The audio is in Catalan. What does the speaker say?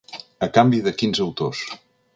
A canvi de quins autors?